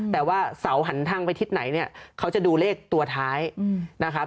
แต่ว่าเสาหันทางไปทิศไหนเนี่ยเขาจะดูเลขตัวท้ายนะครับ